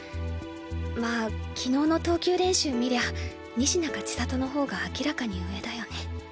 まあ昨日の投球練習見りゃ仁科か千里の方が明らかに上だよね。